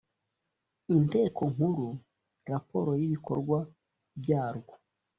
inteko nkuru raporo y ibikorwa byarwo